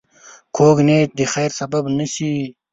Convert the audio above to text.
کوږ نیت د خیر سبب نه شي